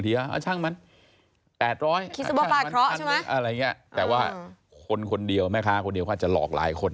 แต่ว่าคนคนเดียวหรอคะคนเดียวคงอาจจะหลอกหลายคน